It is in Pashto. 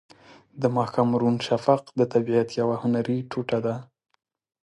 د ماښام روڼ شفق د طبیعت یوه هنري ټوټه ده.